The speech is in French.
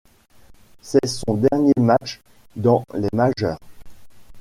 C'est son dernier match dans les majeures.